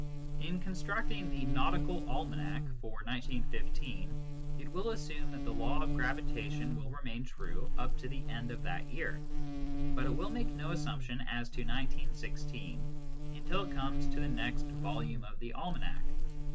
In con structing the Nautical Almanac for 1915 it will assume that the law of gravitation will remain true up to the end of that year ; but it will make no assumption as to 1916 until it comes to the next volume of the almanac.